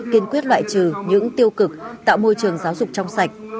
kiên quyết loại trừ những tiêu cực tạo môi trường giáo dục trong sạch